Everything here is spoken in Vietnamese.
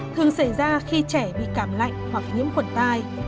thường xảy ra khi trẻ bị cảm lạnh hoặc nhiễm khuẩn tai